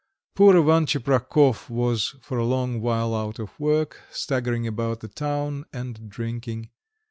Poor Ivan Tcheprakov was for a long while out of work, staggering about the town and drinking.